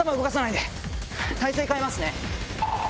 体勢変えますね。